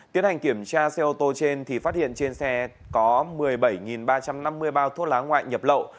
tiến hành kiểm tra xe ô tô trên thì phát hiện trên xe có một mươi bảy ba trăm năm mươi bao thuốc lá ngoại nhập lậu